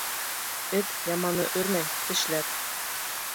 Эт яманы өрмәй тешләр.